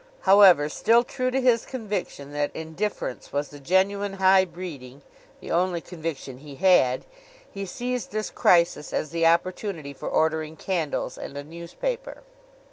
However, still true to his conviction that indifference was the genuine high breeding (the only conviction he had), he seized this crisis as the opportunity for ordering candles and a newspaper.